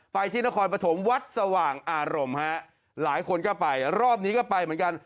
ไปที่นครปฐมวัดสว่างอารมณ์ฮะหลายคนก็ไปรอบนี้ก็ไปเหมือนกัน